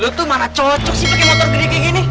lo tuh mana cocok sih pake motor gede kayak gini